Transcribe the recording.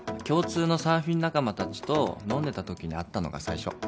共通のサーフィン仲間達と飲んでたときに会ったのが最初